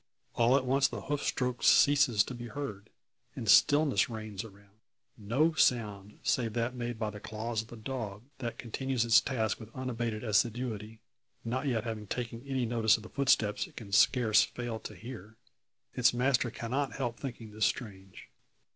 All at once, the hoof stroke ceases to be heard, and stillness reigns around. No sound save that made by the claws of the dog, that continues its task with unabated assiduity not yet having taken any notice of the footsteps it can scarce fail to hear. Its master cannot help thinking this strange.